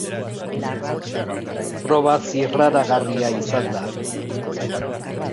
Proba zirraragarria izan da.